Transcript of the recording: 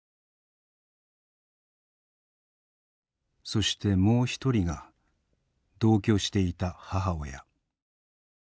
そしてもう一人が同居していた母親。